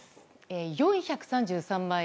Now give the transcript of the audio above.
４３３万円。